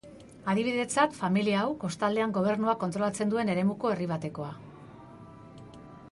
Adibidetzat, familia hau, kostaldean gobernuak kontrolatzen duen eremuko herri batekoa.